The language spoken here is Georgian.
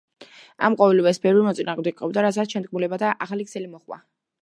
ამ ყოველივეს ბევრი მოწინააღმდეგე ჰყავდა, რასაც შეთქმულებათა ახალი ქსელი მოჰყვა.